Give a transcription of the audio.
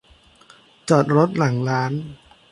จอดรถหลังร้าน